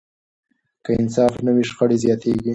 که انصاف نه وي، شخړې زیاتېږي.